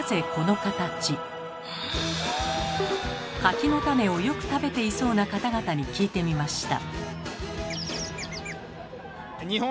柿の種をよく食べていそうな方々に聞いてみました。